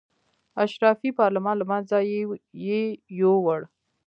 اشرافي پارلمان له منځه یې یووړ.